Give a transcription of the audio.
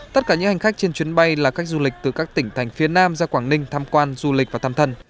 tất cả những hành khách trên chuyến bay là khách du lịch từ các tỉnh thành phía nam ra quảng ninh tham quan du lịch và thăm thân